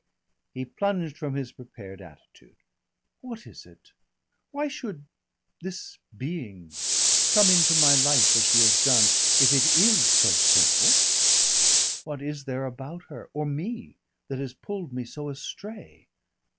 He plunged from his prepared attitude. "What is it? Why should this being come into my life, as she has done, if it is so simple? What is there about her, or me, that has pulled me so astray?